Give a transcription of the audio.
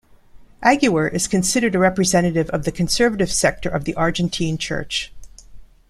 Aguer is considered a representative of the conservative sector of the Argentine Church.